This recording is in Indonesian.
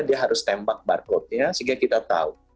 dia harus tembak barcode nya sehingga kita tahu